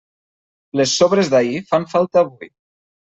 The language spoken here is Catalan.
Les sobres d'ahir fan falta avui.